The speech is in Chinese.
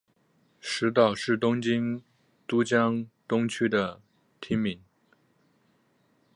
石岛是东京都江东区的町名。